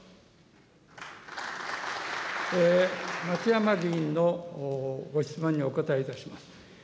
松山議員のご質問にお答えいたします。